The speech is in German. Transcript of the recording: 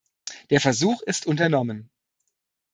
Der Versuch ist unternommen.